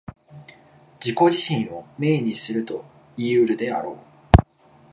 自己自身を明にするといい得るであろう。